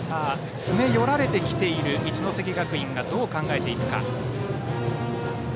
詰め寄られてきている一関学院がどう考えていくか。